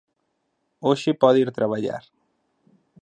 Hoxe pode ir traballar.